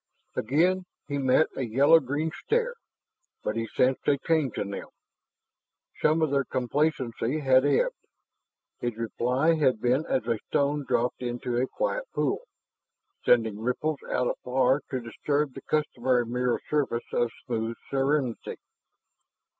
Again he met a yellow green stare, but he sensed a change in them. Some of their complacency had ebbed; his reply had been as a stone dropped into a quiet pool, sending ripples out afar to disturb the customary mirror surface of smooth serenity.